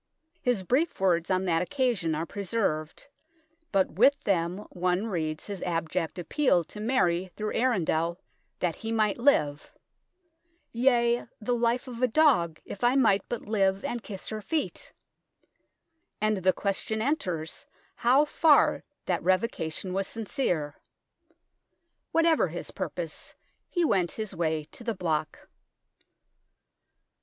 His brief words on that occasion are preserved ; but with them one reads his abject appeal to Mary through Arundel that he might live " yea, the life of a dog, if I might but live and kiss her feet" and the question enters how far that revocation was sincere. Whatever his purpose, he went his way to the block.